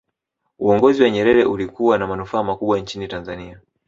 uongozi wa nyerere ulikuwa na manufaa makubwa nchini tanzania